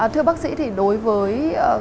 thưa bác sĩ thì đối với